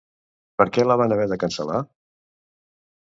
Per què la van haver de cancel·lar?